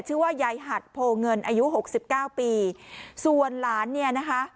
ชื่อว่ายายหัดโพเงินอายุหกสิบเก้าปีส่วนหลานเนี่ยนะคะ